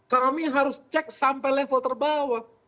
kami harus cek sampai level terbawah